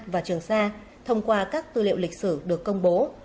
và trường sa thông qua các tư liệu lịch sử được công bố